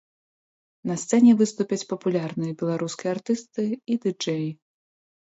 На сцэне выступяць папулярныя беларускія артысты і ды-джэі.